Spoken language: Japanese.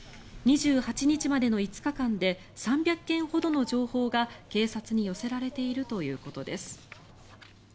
２８日までの５日間で３００件ほどの情報が警察に寄せられているということです。